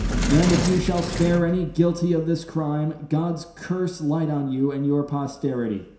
And if you shall spare any guilty of this crime, God's curse light on you and your posterity!